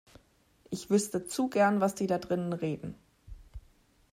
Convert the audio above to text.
Ich wüsste zu gern, was die da drinnen reden.